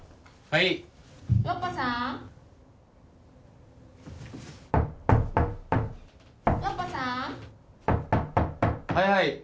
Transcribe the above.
はいはい。